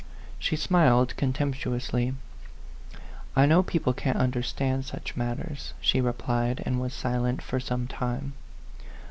She smiled contemptuously. " I know people can't understand such matters," she replied, and was silent for some time.